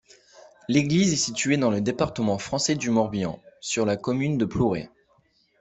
L'église est située dans le département français du Morbihan, sur la commune de Plouray.